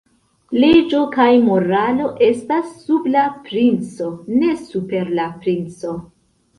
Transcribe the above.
Leĝo kaj moralo estas sub la princo, ne super la princo.